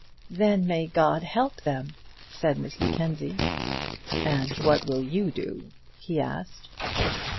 "Then may God help them!" said Miss Mackenzie. "And what will you do?" he asked.